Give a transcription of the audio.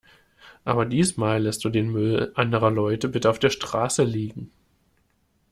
Aber diesmal lässt du den Müll anderer Leute bitte auf der Straße liegen.